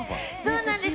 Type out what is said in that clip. そうなんです。